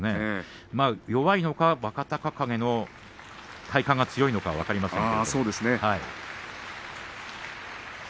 弱いのか若隆景の体幹が強いのか分かりませんけれど。